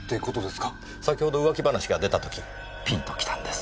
先ほど浮気話が出た時ピンときたんです。